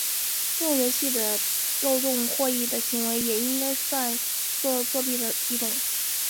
利用游戏的漏洞获益的行为也应该算作作弊的一种。